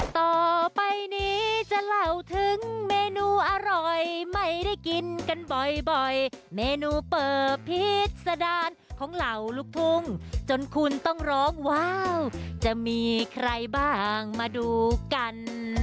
ต่อไปนี้จะเล่าถึงเมนูอร่อยไม่ได้กินกันบ่อยเมนูเปิบพิษสดานของเหล่าลูกทุ่งจนคุณต้องร้องว้าวจะมีใครบ้างมาดูกัน